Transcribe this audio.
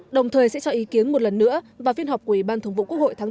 đồng thời sẽ cho ý kiến một lần nữa vào phiên họp của ủy ban thường vụ quốc hội tháng bốn